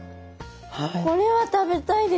これは食べたいです。